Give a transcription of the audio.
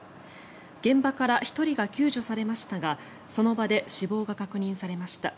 現場から１人が救助されましたがその場で死亡が確認されました。